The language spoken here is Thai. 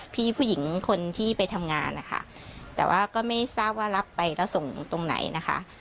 ผู้หญิงคนที่ไปทำงานนะคะแต่ว่าก็ไม่ทราบว่ารับไปแล้วส่งตรงไหนนะคะ